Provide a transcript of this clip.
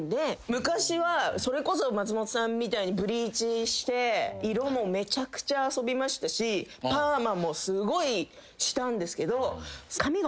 昔はそれこそ松本さんみたいにブリーチして色もめちゃくちゃ遊びましたしパーマもすごいしたんですけど。